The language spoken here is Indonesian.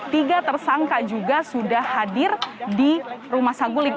tiga tersangka juga sudah hadir di rumah saguling